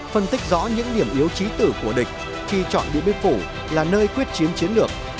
phân tích rõ những điểm yếu trí tử của địch khi chọn điện biên phủ là nơi quyết chiến chiến lược